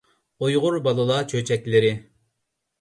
ئۇيغۇر بالىلار چۆچەكلىرى